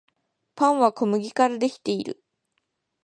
パンは小麦からできている